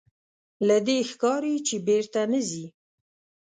له دې ښکاري چې بېرته نه ځې.